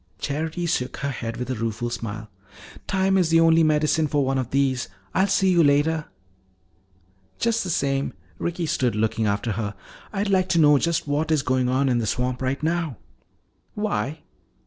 Charity shook her head with a rueful smile. "Time is the only medicine for one of these. I'll see you later." "Just the same," Ricky stood looking after her, "I'd like to know just what is going on in the swamp right now." "Why?"